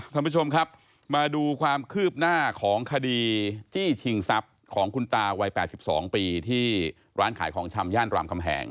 ท่านผู้ชมครับมาดูความคืบหน้าของคดีจี้ชิงทรัพย์ของคุณตาวัย๘๒ปีที่ร้านขายของชำย่านรามคำแหง